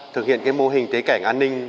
thực hiện cái mô hình tế kẻng an ninh